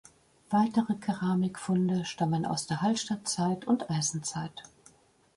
Weitere Keramikfunde stammen aus der Hallstattzeit und Eisenzeit.